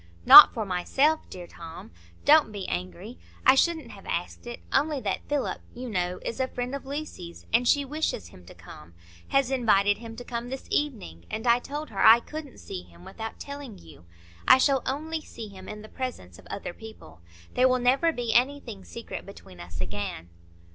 "Not for myself, dear Tom. Don't be angry. I shouldn't have asked it, only that Philip, you know, is a friend of Lucy's and she wishes him to come, has invited him to come this evening; and I told her I couldn't see him without telling you. I shall only see him in the presence of other people. There will never be anything secret between us again."